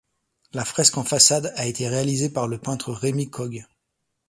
La fresque en façade a été réalisée par le peintre Rémy Cogghe.